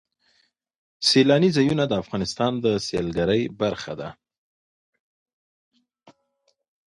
سیلانی ځایونه د افغانستان د سیلګرۍ برخه ده.